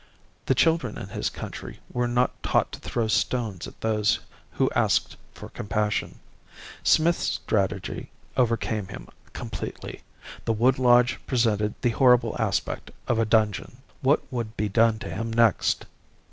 The children in his country were not taught to throw stones at those who asked for compassion. Smith's strategy overcame him completely. The wood lodge presented the horrible aspect of a dungeon. What would be done to him next?...